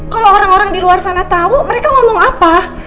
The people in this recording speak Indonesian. kalau orang orang di luar sana tahu mereka ngomong apa